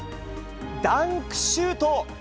ダンクシュート。